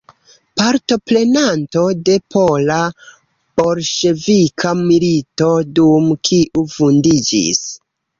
Partoprenanto de pola-bolŝevika milito dum kiu vundiĝis.